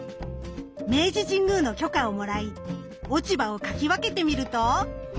明治神宮の許可をもらい落ち葉をかき分けて見ると。